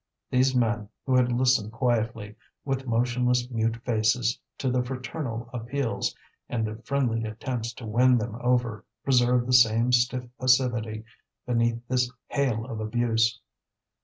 These men, who had listened quietly, with motionless mute faces, to the fraternal appeals and the friendly attempts to win them over, preserved the same stiff passivity beneath this hail of abuse.